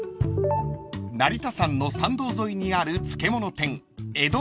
［成田山の参道沿いにある漬物店］